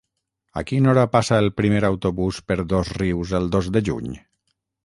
A quina hora passa el primer autobús per Dosrius el dos de juny?